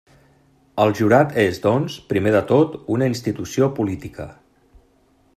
El jurat és, doncs, primer de tot una institució política.